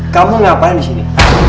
kamu ngapain disini